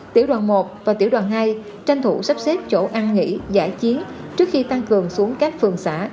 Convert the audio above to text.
tiểu đoàn một và tiểu đoàn hai tranh thủ sắp xếp chỗ ăn nghỉ giải chiến trước khi tăng cường xuống các phường xã